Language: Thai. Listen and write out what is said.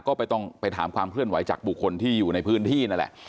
ก็ไปต้องไปถามความเคลื่อนไหวจากบุคคลที่อยู่ในพื้นที่นั่นแหละ